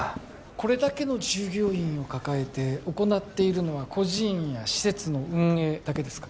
これだけの従業員を抱えて行っているのは孤児院や施設の運営だけですか？